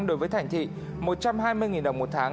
đối với thành thị một trăm hai mươi đồng một tháng